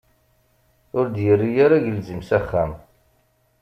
Ur d-yerri ara agelzim s axxam.